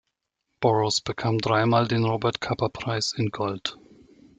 Burrows bekam dreimal den Robert Capa Preis in Gold.